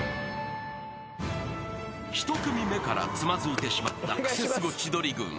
［１組目からつまづいてしまったクセスゴ千鳥軍］